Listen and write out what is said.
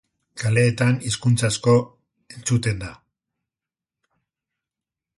Kaleetan hizkuntza asko entzuten da.